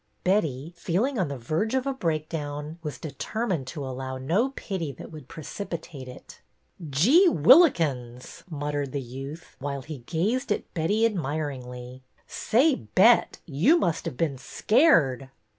Betty, feeling on the verge of a breakdown, was determined to allow no pity that would precipitate it. " Gee whillikens !" muttered the youth, while he gazed at Betty admiringly. " Say, Bet, you must have been scared."